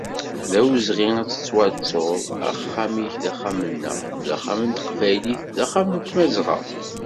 D awezɣi ad tettwattuḍ, axxam-ik d axxam-nneɣ, d axxam n teqbaylit, d axxam n Tmazɣa.